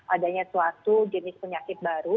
adanya suatu jenis penyakit baru